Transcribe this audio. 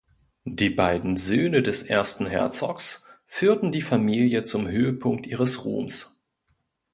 Die beiden Söhne des ersten Herzogs führten die Familie zum Höhepunkt ihres Ruhms.